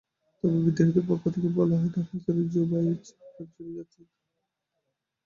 তবে বিদ্রোহীদের পক্ষ থেকে বলা হয়, তাঁরা রাজধানী জুবায় ফিরে যাচ্ছেন।